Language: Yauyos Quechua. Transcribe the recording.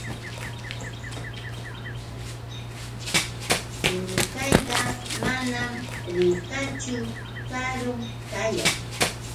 Kinukayta manam rikaachu. Karun kayan.